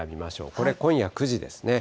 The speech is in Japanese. これ、今夜９時ですね。